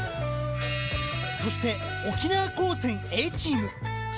そして沖縄高専Ａチーム「昇琉」。